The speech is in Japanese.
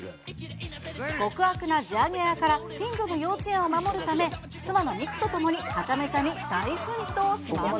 極悪な地上げ屋から近所の幼稚園を守るため、妻の美久と共にはちゃめちゃに大奮闘します。